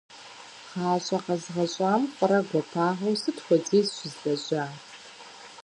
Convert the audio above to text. ГъащӀэ къэзгъэщӀам фӀырэ гуапагъэу сыт хуэдиз щызлэжьа?